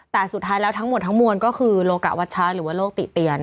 แต่สุดท้ายแล้วทั้งหมดทั้งมวลก็คือโลกะวัชชะหรือว่าโลกติเตียน